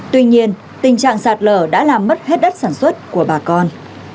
tuy nhiên tình trạng sạt lở đã làm mất hết đất sản xuất của bà con